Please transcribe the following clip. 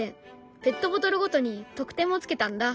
ペットボトルごとに得点もつけたんだ。